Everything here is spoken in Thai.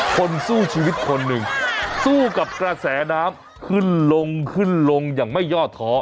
คนสู้ชีวิตคนหนึ่งสู้กับกระแสน้ำขึ้นลงขึ้นลงอย่างไม่ยอดท้อ